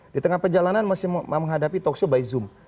di tengah perjalanan masih menghadapi talkshow by zoom